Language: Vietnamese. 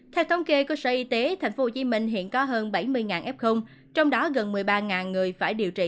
theo thông kê của sở y tế thành phố hồ chí minh hiện có hơn bảy mươi f trong đó gần một mươi ba người phải điều trị